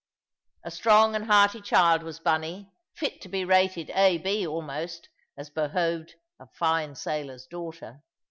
A strong and hearty child was Bunny, fit to be rated A.B., almost, as behoved a fine sailor's daughter.